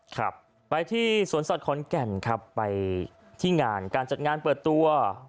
ครับไปที่สวนสัตว์ขอนแก่นครับไปที่งานการจัดงานเปิดตัว